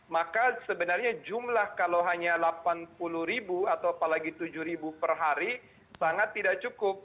maka sebenarnya jumlah kalau hanya delapan puluh ribu atau apalagi tujuh ribu per hari sangat tidak cukup